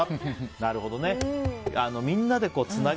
なるほどね。